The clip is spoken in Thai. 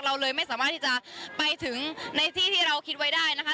เราเลยไม่สามารถที่จะไปถึงในที่ที่เราคิดไว้ได้นะคะ